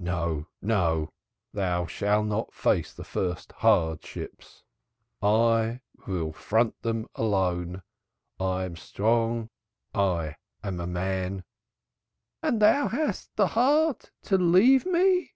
"No, no; thou shall not face the first hardships, I will front them alone; I am strong, I am a man." "And thou hast the heart to leave me?"